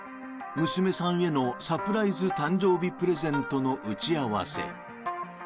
娘さんへのサプライズ誕生日プレゼントの打ち合わせ。